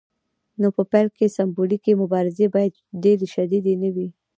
نو په پیل کې سمبولیکې مبارزې باید ډیرې شدیدې نه وي.